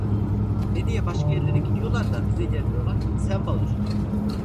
Ne diye başka yerlere gidiyorlar da bize gelmiyorlar? Sen bağır!